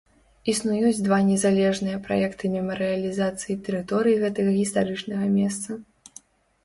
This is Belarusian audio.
Існуюць два незалежныя праекты мемарыялізацыі тэрыторыі гэтага гістарычнага месца.